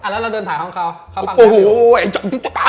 แล้วเราเดินผ่านห้องเขา